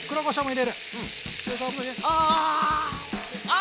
あ！